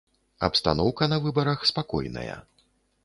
Абстаноўка на выбарах спакойная.